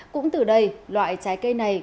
cũng từ đây loại trái cây này